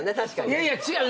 いやいや違う。